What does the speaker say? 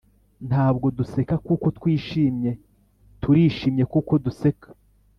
ntabwo duseka kuko twishimye - turishimye kuko duseka.